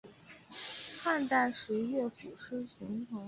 汉代时乐府诗形成。